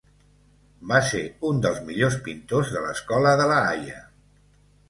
Va ser un dels millors pintors de l'Escola de La Haia.